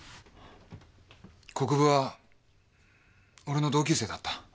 国府は俺の同級生だった。